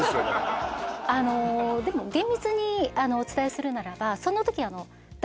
でも厳密にお伝えするならば。